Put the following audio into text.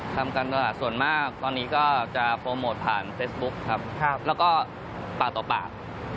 ทำการตลาดส่วนมากตอนนี้ก็จะโปรโมทผ่านเฟซบุ๊คครับแล้วก็ปากต่อปาก